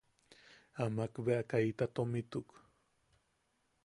Amak bea kaita tomituk.